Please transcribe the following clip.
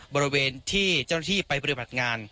บริเวณที่เจ้าหน้าที่ไปปฏิบัติงาน